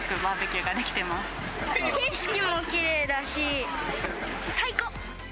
景色もきれいだし、最高。